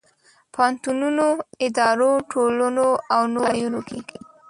پوهنتونونو، ادارو، ټولنو او نور ځایونو کې.